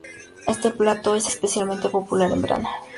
Este plato es especialmente popular en verano.